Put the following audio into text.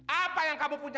apa yang kamu punya